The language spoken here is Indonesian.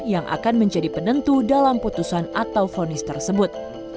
yang akan menjadi penentu dalam putusan atau fonis tersebut